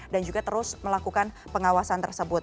dan juga terus melakukan pengawasan tersebut